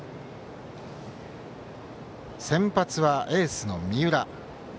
先発は、エースの三浦。